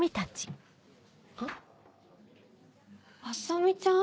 麻美ちゃん？